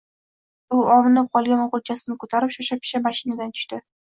U ovunib qolgan o‘g‘ilchasini ko‘tarib shosha-pisha mashinadan tushdi.